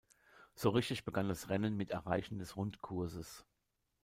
So richtig begann das Rennen mit Erreichen des Rundkurses.